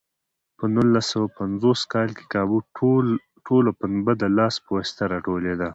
په نولس سوه پنځوس کال کې کابو ټوله پنبه د لاس په واسطه راټولېده.